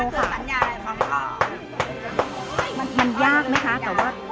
กทำโยธิยังไม่รู้สิ้ม